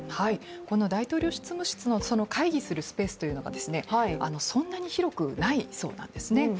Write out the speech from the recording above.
この大統領執務室の会議するスペースというのがそんなに広くないそうなんですね。